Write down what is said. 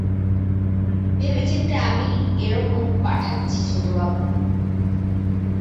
ভেবেচিন্তে আমিই একরকম পাঠাচ্ছি ছোটবাবু।